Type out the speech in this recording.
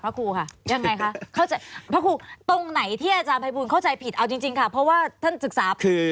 ถ้าทำวินัยมากกว่าอาจจะเป็นบุญแน่ล่ะ